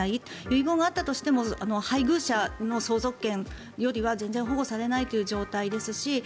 遺言があったとしても配偶者の相続権よりは全然保護されないという状態ですし。